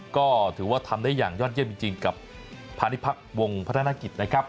ก็ถือว่าทำได้อย่างยอดเยี่ยมจริงกับพาณิพักษ์วงพัฒนกิจนะครับ